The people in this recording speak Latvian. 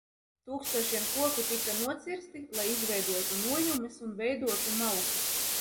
Tūkstošiem koku tika nocirsti, lai izveidotu nojumes un veidotu malku.